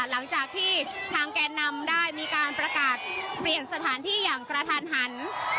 หลังจากที่ทางแกนนำได้มีการประกาศเปลี่ยนสถานที่อย่างกระทันหัน